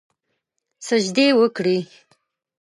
سجدې وکړي